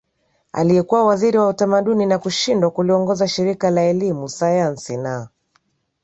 aliyekuwa waziri wa utamaduni na na kushindwa kuliongoza shirika la elimu sayansi na